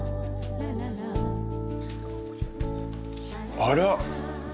あら。